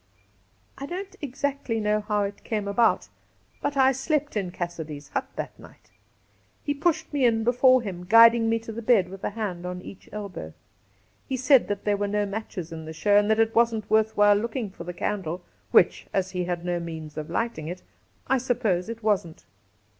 I don't exactly know how it came about, but I slept in Cassidy's hut that night. He pushed me in before him, guiding me to the bed with a hand on each elbow. He said that there were no matches in the show and that it wasn't , worth while looking ifor the candle, which, as he had no means of lighting it, I suppose it wasn't.